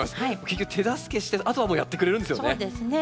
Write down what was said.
結局手助けしてあとはもうやってくれるんですよね。